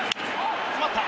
詰まった。